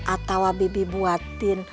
atau bibi buatin